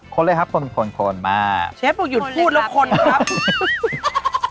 คนเลยครับคนคนมากเชฟบอกหยุดพูดแล้วคนครับ